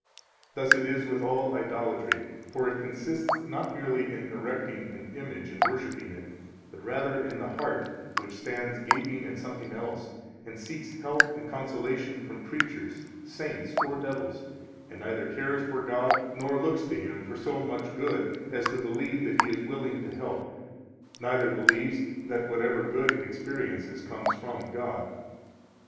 21 Thus it is with all idolatry; for it consists not merely in erecting an image and worshiping it, but rather in the heart, which stands gaping at something else, and seeks help and consolation from creatures, saints, or devils, and neither cares for God, nor looks to Him for so much good as to believe that He is willing to help, neither believes that whatever good it experiences comes from God.